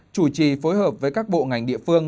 chủ trì phối hợp với các bộ ngành địa phương